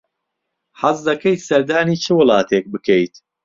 حەز دەکەیت سەردانی چ وڵاتێک بکەیت؟